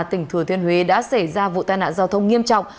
tỉnh thừa thiên huế đã xảy ra vụ tai nạn giao thông nghiêm trọng